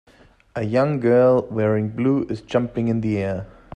A young girl wearing blue is jumping in the air.